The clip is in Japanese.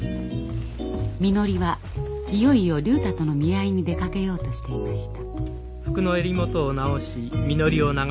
みのりはいよいよ竜太との見合いに出かけようとしていました。